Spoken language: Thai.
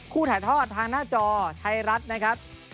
ถ่ายทอดทางหน้าจอไทยรัฐนะครับ